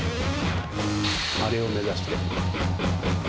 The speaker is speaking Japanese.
アレを目指して。